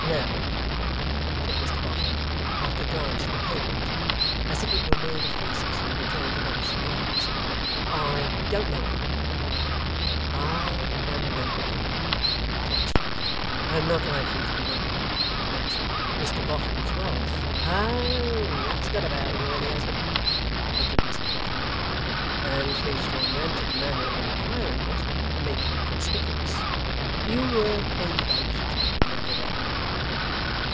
'No,' said Mr Boffin, after a glance at the pavement, as if it were made of faces and he were trying to match the man's, 'I DON'T know you.' 'I am nobody,' said the stranger, 'and not likely to be known; but Mr Boffin's wealth ' 'Oh! that's got about already, has it?' muttered Mr Boffin. ' And his romantic manner of acquiring it, make him conspicuous. You were pointed out to me the other day.